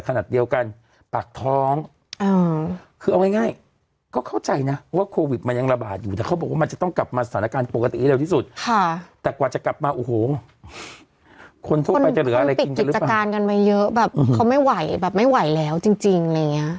คนปิกกิจการกันบ้ายเยอะแบบเขาไม่ไหวแบบไม่ไหวแล้วจริงอะไรเงี้ย